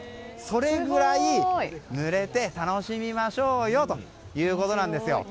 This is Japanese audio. それぐらいぬれて楽しみましょうよということです。